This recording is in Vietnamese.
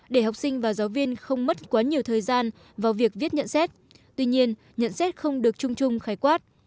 để học sinh và giáo viên không mất quá nhiều thời gian vào việc viết nhận xét tuy nhiên nhận xét không được chung chung khái quát